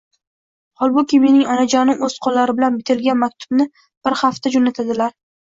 Holbuki mening onajonim o'z qo'llari bilan bitilgan maktubni har hafta jo'natadilar.